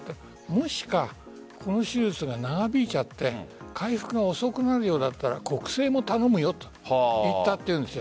もし、この手術が長引いて回復が遅くなるようだったら国政も頼むよと言ったというんです。